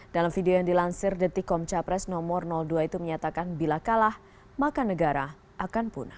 dalam video yang dilansir detikkom capres nomor dua itu menyatakan bila kalah maka negara akan punah